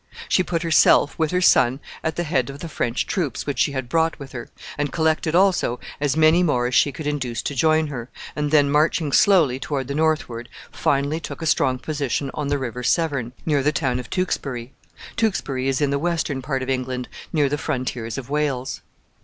She put herself, with her son, at the head of the French troops which she had brought with her, and collected also as many more as she could induce to join her, and then, marching slowly toward the northward, finally took a strong position on the River Severn, near the town of Tewkesbury. Tewkesbury is in the western part of England, near the frontiers of Wales.